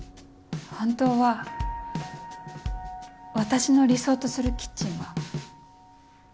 本当は私の理想とするキッチンは。